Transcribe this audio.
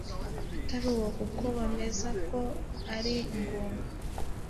atari uwe kuko bemeza ko yari ingumba.